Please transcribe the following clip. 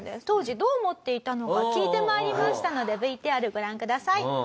当時どう思っていたのか聞いて参りましたのでＶＴＲご覧ください。